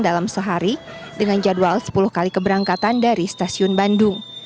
dalam sehari dengan jadwal sepuluh kali keberangkatan dari stasiun bandung